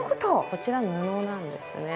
こちら布なんですね。